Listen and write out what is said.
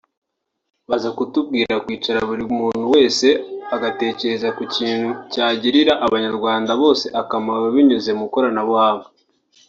Baza kutubwira kwicara buri muntu wese agatekereza ku kintu cyagirira abanyarwanda bose akamaro binyuze mu ikoranabuhanga